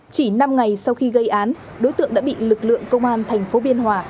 chỉ năm ngày sau khi gây án đối tượng đã bị lực lượng công an tp biên hòa